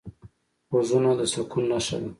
غوږونه د سکون نښه ده